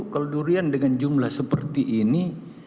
kalau durian dengan jumlah seperti ini